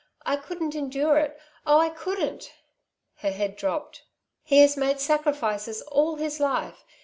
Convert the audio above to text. I couldn't endure it. Oh, I couldn't." Her head dropped. "He has made sacrifices all his life.